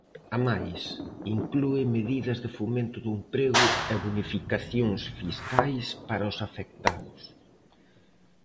Amais, inclúe medidas de fomento do emprego e bonificacións fiscais para os afectados.